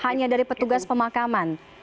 hanya dari petugas pemakaman